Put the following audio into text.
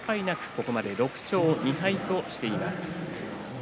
ここまで６勝２敗できています。